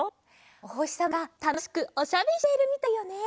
おほしさまがたのしくおしゃべりしているみたいよね。